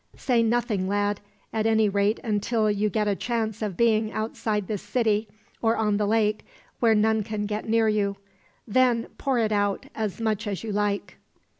Say nothing, lad, at any rate until you get a chance of being outside this city; or on the lake, where none can get near you then pour it out, as much as you like."